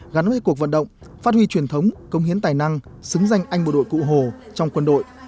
gắn với cuộc vận động phát huy truyền thống công hiến tài năng xứng danh anh bộ đội cụ hồ trong quân đội